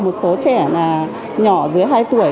một số trẻ là nhỏ dưới hai tuổi